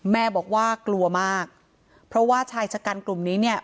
แม่บอกว่ากลัวมากเพราะว่าชายชะกันกลุ่มนี้เนี่ย